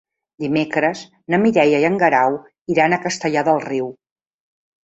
Dimecres na Mireia i en Guerau iran a Castellar del Riu.